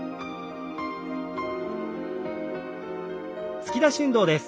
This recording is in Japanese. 突き出し運動です。